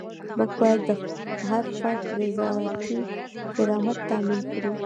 موږ باید د هر فرد ذاتي کرامت تامین کړو.